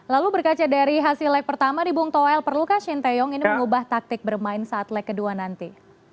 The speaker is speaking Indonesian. lalu berkaca dari hasil leg pertama di bung toel perlukah shin taeyong ini mengubah taktik bermain saat leg kedua nanti